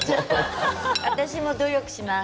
私も努力します。